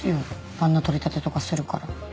あんな取り立てとかするから。